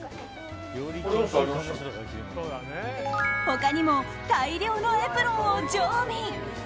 他にも大量のエプロンを常備。